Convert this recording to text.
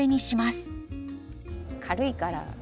軽いから。